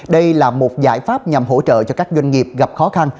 đây là một giải pháp nhằm hỗ trợ cho các doanh nghiệp gặp khó khăn